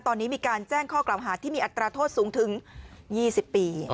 ตอนนี้มีการแจ้งข้อกล่าวหาที่มีอัตราโทษสูงถึง๒๐ปี